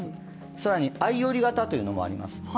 更に相寄り型というのもあります。